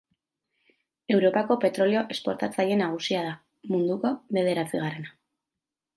Europako petrolio esportatzaile nagusia da, munduko bederatzigarrena.